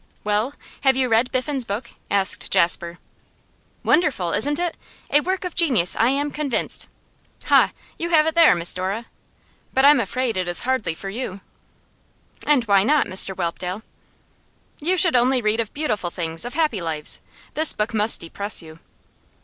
'Well, have you read Biffen's book?' asked Jasper. 'Wonderful, isn't it! A work of genius, I am convinced. Ha! you have it there, Miss Dora. But I'm afraid it is hardly for you.' 'And why not, Mr Whelpdale?' 'You should only read of beautiful things, of happy lives. This book must depress you.